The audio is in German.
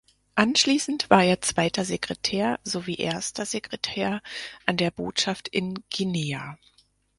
Anschließend war er Zweiter Sekretär sowie Erster Sekretär an der Botschaft in Guinea.